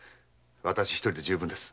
私一人で十分です。